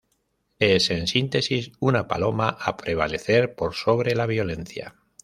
Es, en síntesis, una paloma a prevalecer por sobre la violencia.